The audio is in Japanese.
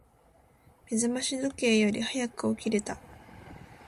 目覚まし時計より早く起きれた。